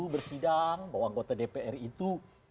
bersidang bahwa anggota dpr itu